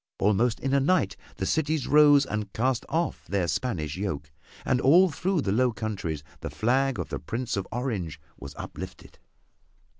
Almost in a night the cities rose and cast off their Spanish yoke, and all through the Low Countries the flag of the Prince of Orange was uplifted.